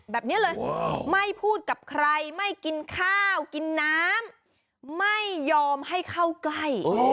แบบนี้เลยไม่พูดกับใครไม่กินข้าวกินน้ำไม่ยอมให้เข้าใกล้